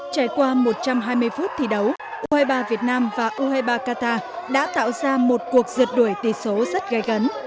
trải qua một trăm hai mươi phút thi đấu u hai mươi ba việt nam và u hai mươi ba qatar đã tạo ra một cuộc rượt đuổi tỷ số rất gai gắt